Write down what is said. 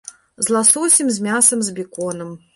З ласосем, з мясам, з беконам.